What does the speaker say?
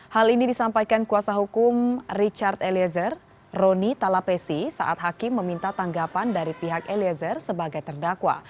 hal ini disampaikan kuasa hukum richard eliezer roni talapesi saat hakim meminta tanggapan dari pihak eliezer sebagai terdakwa